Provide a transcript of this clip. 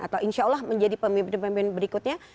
atau insya allah menjadi pemimpin pemimpin berikutnya